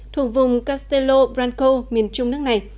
thuộc vùng castello branco miền trung nước này